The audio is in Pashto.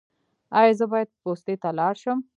ایا زه باید پوستې ته لاړ شم؟